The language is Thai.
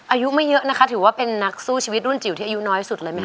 อายุไม่เยอะนะคะถือว่าเป็นนักสู้ชีวิตรุ่นจิ๋วที่อายุน้อยสุดเลยไหมค